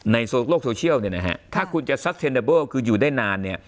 ในโลกโซเชียลเนี้ยนะฮะถ้าคุณจะคืออยู่ได้นานเนี้ย